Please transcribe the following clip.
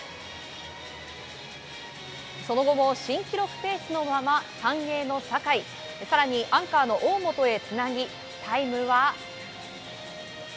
その後も新記録ペースのまま３泳の酒井更にアンカーの大本へつなぎタイムは。